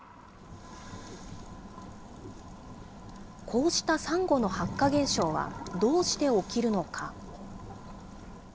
こうしたサンゴの白化現象はどうして起きるのか。